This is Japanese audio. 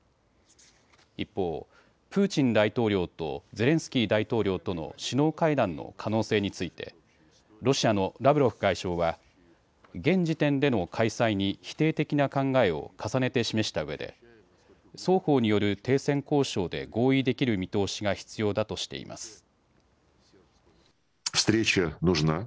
一方、プーチン大統領とゼレンスキー大統領との首脳会談の可能性についてロシアのラブロフ外相は現時点での開催に否定的な考えを重ねて示したうえで双方による停戦交渉で合意できる見通しが必要だとしています。